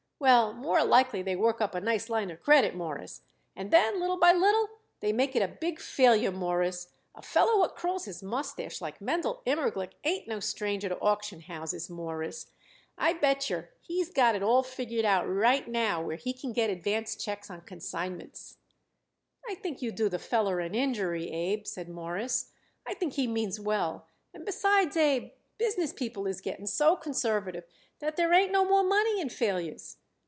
"Well, more likely they work up a nice line of credit, Mawruss, and then, little by little, they make it a big failure, Mawruss. A feller what curls his mustache like Mendel Immerglick ain't no stranger to auction houses, Mawruss. I bet yer he's got it all figured out right now where he can get advance checks on consignments." "I think you do the feller an injury, Abe," said Morris. "I think he means well, and besides, Abe, business people is getting so conservative that there ain't no more money in failures."